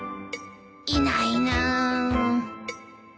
いないな。